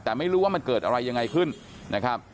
แต่ไม่รู้ว่ามันเกิดอะไรยังไงขึ้นนะครับ